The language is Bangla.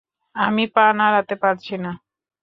আমি পা নাড়াতে পারছি না!